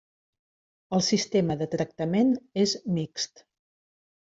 El sistema de tractament és mixt.